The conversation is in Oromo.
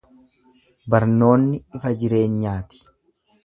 Barnoonni ifa jireenyaati.